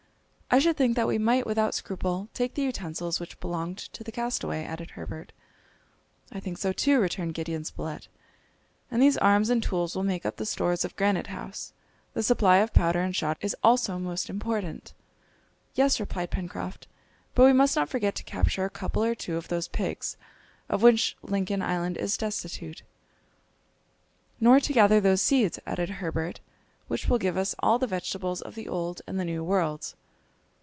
"I should think that we might without scruple take the utensils which belonged to the castaway," added Herbert. "I think so too," returned Gideon Spilett; "and these arms and tools will make up the stores of Granite House. The supply of powder and shot is also most important." "Yes," replied Pencroft; "but we must not forget to capture a couple or two of those pigs, of which Lincoln Island is destitute " "Nor to gather those seeds," added Herbert, "which will give us all the vegetables of the Old and the New Worlds."